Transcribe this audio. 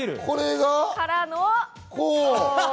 これがこう。